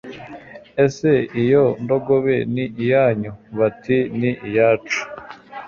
ese iyo ndogobe ni iyanyu Bati ni iyacu.